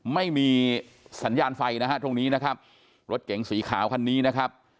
ไม่มีสัญญาณไฟนะฮะตรงนี้นะครับรถเก๋งสีขาวคันนี้นะครับ